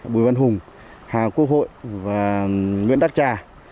bùi văn hùng hà quốc hội và nguyễn đắc trà